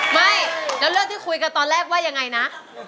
ไม่แล้วเรื่องที่คุยกันตอนแรกว่ายังไงนะ